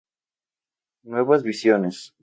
Nuevas visiones.